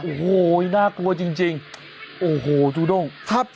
โอ้โหน่ากลัวจริง